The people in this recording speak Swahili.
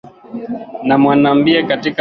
na wa wamwambie hapana bwana zuia